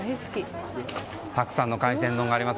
たくさんの海鮮丼があります。